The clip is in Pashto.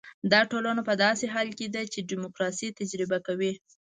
دا ټولنه په داسې حال کې ده چې ډیموکراسي تجربه کوي.